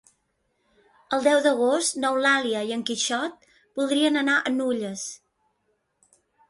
El deu d'agost n'Eulàlia i en Quixot voldrien anar a Nulles.